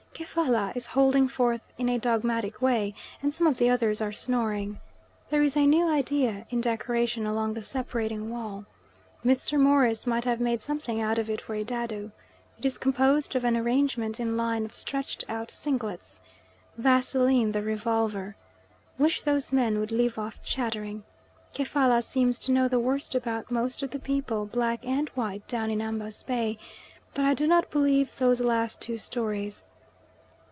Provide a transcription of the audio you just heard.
Kefalla is holding forth in a dogmatic way, and some of the others are snoring. There is a new idea in decoration along the separating wall. Mr. Morris might have made something out of it for a dado. It is composed of an arrangement in line of stretched out singlets. Vaseline the revolver. Wish those men would leave off chattering. Kefalla seems to know the worst about most of the people, black and white, down in Ambas Bay, but I do not believe those last two stories.